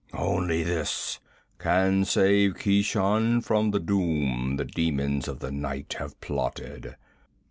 Only this can save Keshan from the doom the demons of the night have plotted.